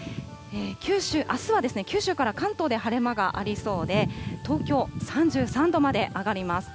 九州、あすは九州から関東で晴れ間がありそうで、東京３３度まで上がります。